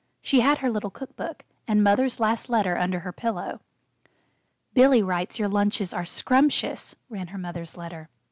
She had her little cook book, and Mother's last letter under her pillow. "Billy writes your lunches are 'scrumptious,'" ran her mother's letter.